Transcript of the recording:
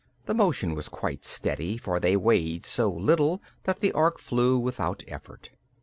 The motion was quite steady, for they weighed so little that the Ork flew without effort.